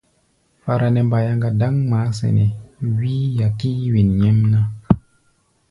Fara nɛ mbayaŋa dáŋ ŋmaá, wíí-a kíí wen nyɛmná.